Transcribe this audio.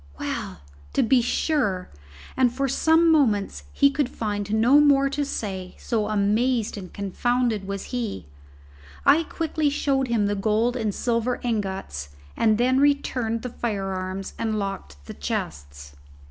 Well, to be sure!" And for some moments he could find no more to say, so amazed and confounded was he. I quickly showed him the gold and silver ingots and then returned the firearms and locked the chests.